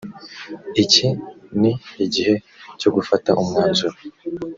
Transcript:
iki ni igihe cyo gufata umwanzuro